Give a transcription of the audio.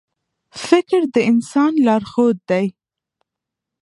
• فکر د انسان لارښود دی.